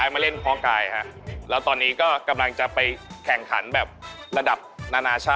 ไม่รู้อันนี้ผมส่วนตัวผมวิเคราะห์